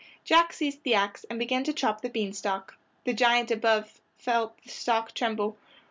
Jack seized the ax and began to chop the bean stalk. The giant above felt the stalk tremble.